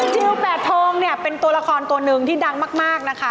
แปดโทงเนี่ยเป็นตัวละครตัวหนึ่งที่ดังมากนะคะ